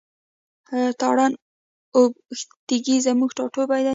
تارڼ اوبښتکۍ زموږ ټاټوبی دی.